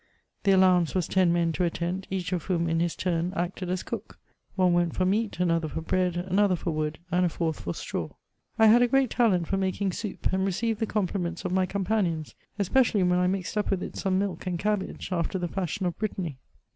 The allowance was ten men to a tent, each of whom, in his turn, acted as cook ; one went for meat, another for bread, another for wood, and a fourth for straw. I had a great talent for making soup, and received the compliments of my companions, especially when I mixed up with it some milk and cabbage, after the fashion of Biittany.